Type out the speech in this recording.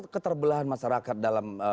keterbelahan masyarakat dalam